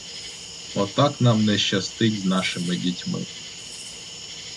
Отак нам не щастить з нашими дітьми!